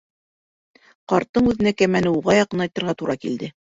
Ҡарттың үҙенә кәмәне уға яҡынайтырға тура килде.